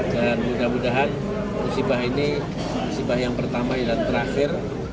dan mudah mudahan musibah ini musibah yang pertama dan terakhir